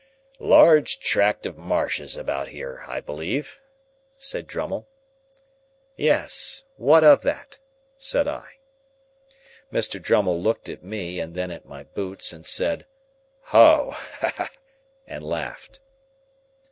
"Large tract of marshes about here, I believe?" said Drummle. "Yes. What of that?" said I. Mr. Drummle looked at me, and then at my boots, and then said, "Oh!" and laughed.